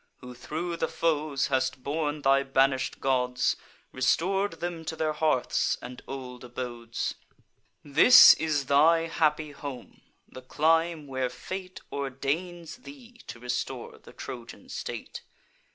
Who thro' the foes hast borne thy banish'd gods, Restor'd them to their hearths, and old abodes; This is thy happy home, the clime where fate Ordains thee to restore the Trojan state.